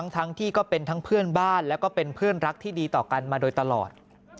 ทั้งที่ก็เป็นทั้งเพื่อนบ้านแล้วก็เป็นเพื่อนรักที่ดีต่อกันมาโดยตลอด